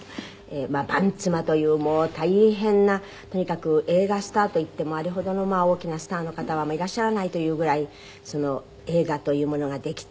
阪妻というもう大変なとにかく映画スターといってもあれほどの大きなスターの方はいらっしゃらないというぐらい映画というものができて。